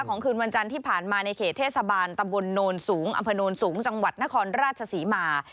คืนวันจันทร์ที่ผ่านมาในเขตเทศบาลตำบลโนนสูงอำเภอโนนสูงจังหวัดนครราชศรีมา